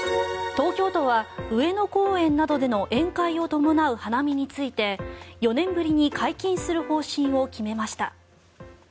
東京都は上野公園などでの宴会を伴う花見について４年ぶりに解禁する方針を決めました。